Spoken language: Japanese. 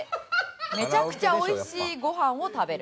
めちゃくちゃおいしいご飯を食べる。